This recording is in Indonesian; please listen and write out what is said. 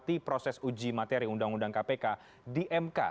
mengikuti proses uji materi undang undang kpk di mk